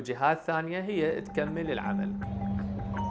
dan menambahkan kemampuan mereka ke jihad